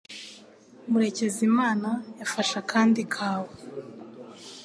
Murekezimana yafashe akandi kawa